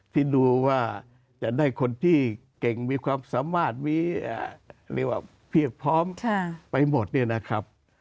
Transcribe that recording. ที่ดูว่าจะได้คนที่เก่งมีความสำมรรดิพร้อมไปหมดเนี่ยนะครับ